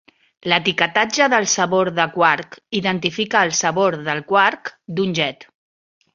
L'etiquetatge del sabor de quark identifica el sabor del quark d'un jet.